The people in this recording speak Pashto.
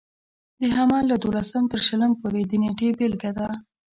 د حمل له دولسم تر شلم پورې د نېټې بېلګه ده.